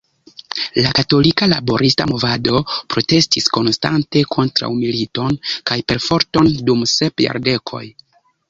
La Katolika Laborista Movado protestis konstante kontraŭ militon kaj perforton dum sep jardekoj.